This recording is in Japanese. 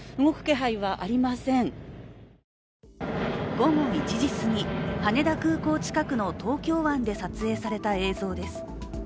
午後１時すぎ、羽田空港近くの東京湾で撮影された映像です。